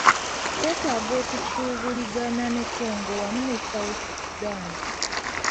Twetaaga okusuubuligana ne Congo wamu ne South Sudan,